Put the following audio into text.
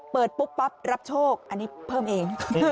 เปิดปุ๊บปั๊บรับโชคอันนี้เพิ่มเอง